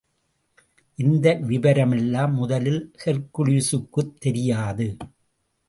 இந்த விவரமெல்லாம் முதலில் ஹெர்க்குலிஸுக்குத் தெரியாது.